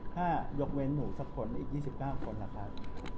ถ้ายกเว้นหนูสักคนอีก๒๙คนล่ะครับ